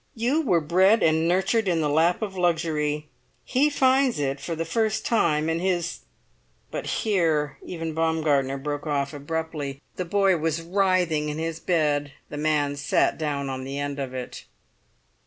You were bred and nurtured in the lap of luxury; he finds it for the first time in his——" But here even Baumgartner broke off abruptly. The boy was writhing in his bed; the man sat down on the end of it.